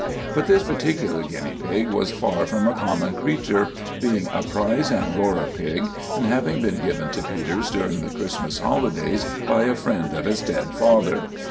But this particular guinea pig was far from a common creature, being a prize Angora pig, and having been given to Peters during the Christmas holidays by a friend of his dead father.